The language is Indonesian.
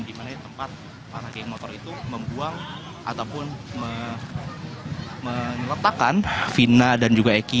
di mana tempat para geng motor itu membuang ataupun meletakkan fina dan juga eki